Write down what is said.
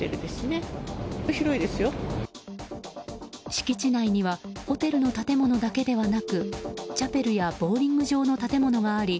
敷地内にはホテルの建物だけではなくチャペルやボウリング場の建物があり